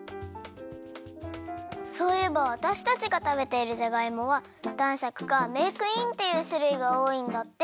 そういえばわたしたちがたべているじゃがいもはだんしゃくかメークインっていうしゅるいがおおいんだって。